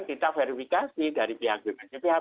kita verifikasi dari pihak bpc pihak